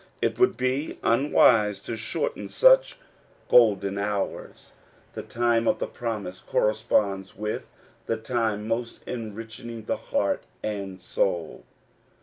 It would be un wise to shorten such golden hours. The time of the promise corresponds with the time most enriching to heart and soul.